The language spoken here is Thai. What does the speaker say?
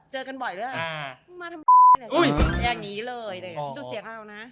เจอกันบ่อยเลย